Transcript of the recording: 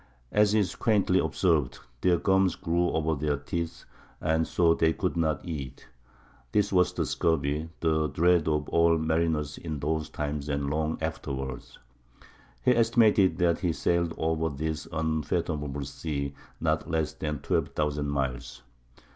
As is quaintly observed, "their gums grew over their teeth, and so they could not eat." [This was scurvy, the dread of all mariners in those times and long afterward.] He estimated that he sailed over this unfathomable sea not less than 12,000 miles.